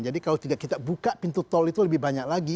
jadi kalau tidak kita buka pintu tol itu lebih banyak lagi